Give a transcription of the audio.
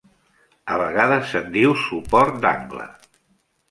A vegades se'n diu suport d'angle.